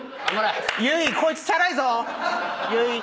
ユイこいつチャラいぞ！